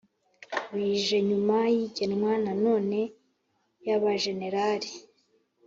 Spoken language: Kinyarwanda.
bije nyuma y’igenwa na none ry’abajenerali